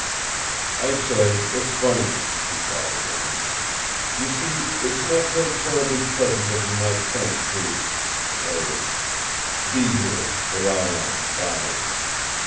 "I say, it's funny," he tried again. "You see, it's not so terribly pleasant as you might think to er be here, where I am, dying.